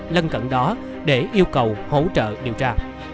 lân cận đó để yêu cầu hỗ trợ điều tra